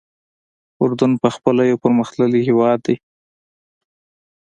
اردن پخپله یو پرمختللی هېواد دی.